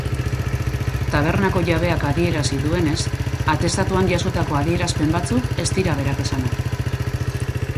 Tabernako jabeak adierazi duenez, atestatuan jasotako adierazpen batzuk ez dira berak esanak.